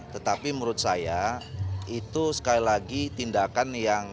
tetapi menurut saya itu sekali lagi tindakan yang